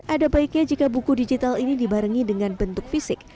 ada baiknya jika buku digital ini dibarengi dengan bentuk fisik